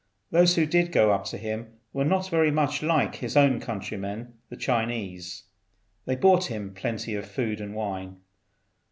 Those who did go up to him were not very much unlike his own countrymen, the Chinese. They brought him plenty of food and wine.